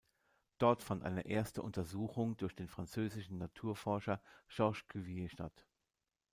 Dort fand eine erste Untersuchung durch den französischen Naturforscher Georges Cuvier statt.